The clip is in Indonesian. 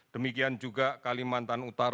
demikian juga kalimantan utara